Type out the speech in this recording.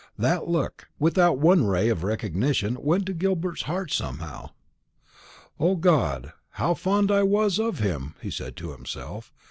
That look, without one ray of recognition, went to Gilbert's heart somehow. "O God, how fond I was of him!" he said to himself.